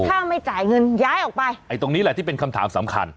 ถ้าไม่จ่ายเงินย้ายออกไปไอ้ตรงนี้แหละที่เป็นคำถามสำคัญ